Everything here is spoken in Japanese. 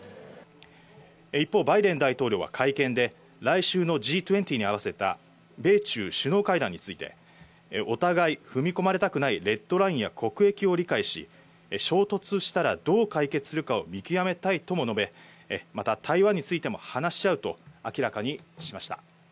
一方、バイデン大統領は会見で、来週のＧ２０に合わせた米中首脳会談について、お互い踏み込まれたくないレッドラインや国益を理解し、衝突したら、どう解決するかを見極めたいとも述べ、また台湾についても話し合うと明らかにしました。